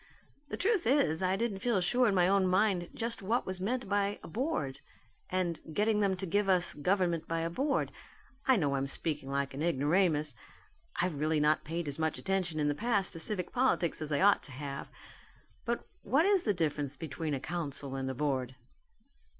"The truth is I didn't feel sure in my own mind just what was meant by a 'Board,' and 'getting them to give us government by a Board.' I know I'm speaking like an ignoramus. I've really not paid as much attention in the past to civic politics as I ought to have. But what is the difference between a council and a board?"